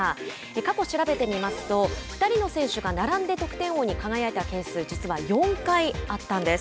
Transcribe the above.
過去、調べてみますと２人の選手が並んで得点王に輝いたケースは実は４回あったんです。